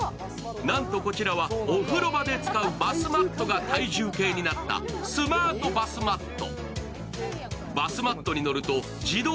なんと、こちらはお風呂場で使うバスマットが体重計になったスマートバスマット。